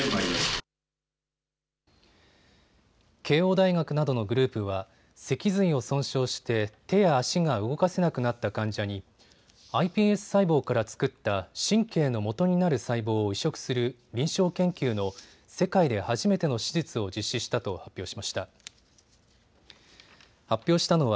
慶応大学などのグループは脊髄を損傷して手や足が動かせなくなった患者にｉＰＳ細胞から作った神経のもとになる細胞を移植する臨床研究の世界で初めての手術を実施したと発表しました。